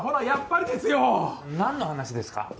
やっぱりですよ。何の話ですか？